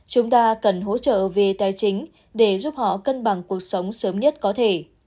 chúng ta cần hỗ trợ về tài chính để giúp họ cân bằng cuộc sống sớm nhất có thể